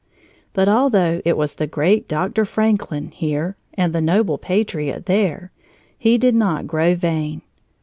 But although it was "the Great Doctor Franklin" here, and "the Noble Patriot" there, he did not grow vain.